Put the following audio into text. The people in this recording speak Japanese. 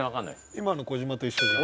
今の小島と一緒じゃん。